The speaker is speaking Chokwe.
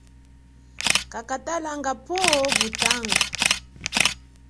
Kakatalanga phowo mutangu.